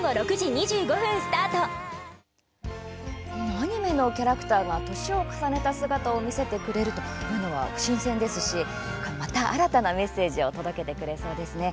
アニメのキャラクターが年を重ねた姿を見せてくれるというのは、とても新鮮ですしまた新たなメッセージを届けてくれそうですね。